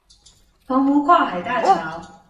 澎湖跨海大橋